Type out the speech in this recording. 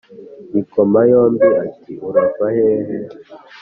ngikoma yombi ati urava hehe?